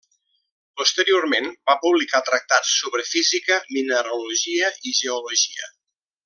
Posteriorment va publicar tractats sobre física, mineralogia i geologia.